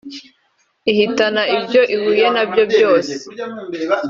ihitana ibyo ihuye na byo byose